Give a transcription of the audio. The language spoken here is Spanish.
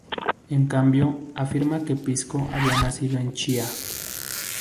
En cambio, afirma que Pisco había nacido de Chía.